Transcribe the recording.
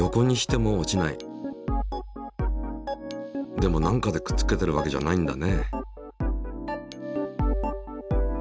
でもなんかでくっつけてるわけじゃないんだね。